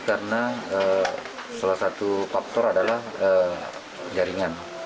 karena salah satu faktor adalah jaringan